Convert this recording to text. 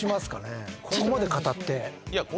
ここまで語って。